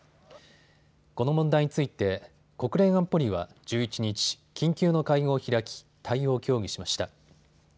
この問題について国連安保理は１１日、緊急の会合を開き対応を協議しました。